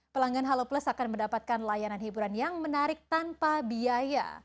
pelanggan halo plus akan mendapatkan layanan hiburan yang menarik tanpa biaya